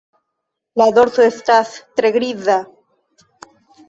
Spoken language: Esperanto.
La dorso estas tre griza.